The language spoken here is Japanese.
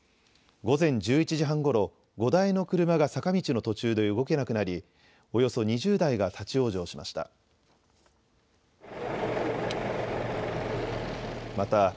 午前１１時半ごろ、５台の車が坂道の途中で動けなくなりおよそ２０台が立往生しました。